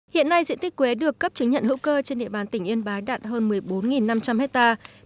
hiện nay diện tích quế được cấp chứng nhận hữu cơ trên địa bàn tỉnh yên bái đạt hơn một mươi bốn năm trăm linh hectare